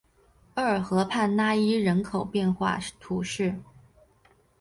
厄尔河畔讷伊人口变化图示